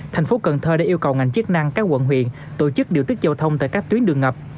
thành phố cần thơ đã yêu cầu ngành chức năng các quận huyện tổ chức điều tiết giao thông tại các tuyến đường ngập